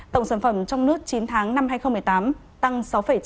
tổng sản phẩm trong nước chín tháng năm hai nghìn một mươi tám tăng sáu chín mươi tám